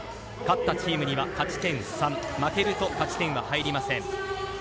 勝ったチームには勝ち点３、負けると勝ち点が入りません。